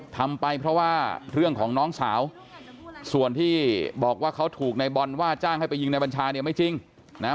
ทำไปเพราะว่าเรื่องของน้องสาวส่วนที่บอกว่าเขาถูกในบอลว่าจ้างให้ไปยิงในบัญชาเนี่ยไม่จริงนะฮะ